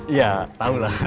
iya tau lah